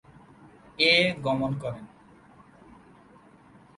এ গমন করেন।